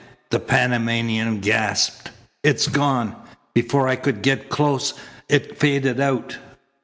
the Panamanian gasped. "It's gone! Before I could get close it faded out."